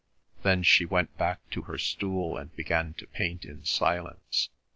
Then she went back to her stool and began to paint in silence.